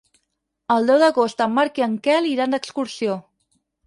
El deu d'agost en Marc i en Quel iran d'excursió.